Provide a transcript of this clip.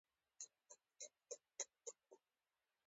پنځه یا شپږ کسان په کې ولاړ ځایېدای شي.